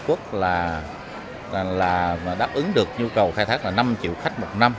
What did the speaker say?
cuối hai nghìn một mươi bảy cảng hàng không quốc tế phú quốc đã đáp ứng được nhu cầu khai thác năm triệu khách một năm